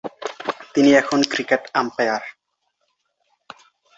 তিনি এখন cricket umpire.